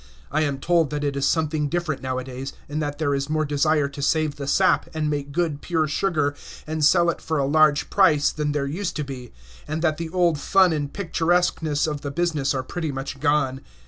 I am told that it is something different nowadays, and that there is more desire to save the sap, and make good, pure sugar, and sell it for a large price, than there used to be, and that the old fun and picturesqueness of the business are pretty much gone.